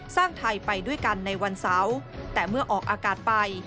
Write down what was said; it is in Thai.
ไทยไปด้วยกันในวันเสาร์แต่เมื่อออกอากาศไป